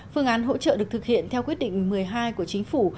phương án hỗ trợ được thực hiện theo quyết định một mươi hai của chính phủ